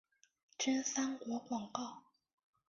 真三国广告。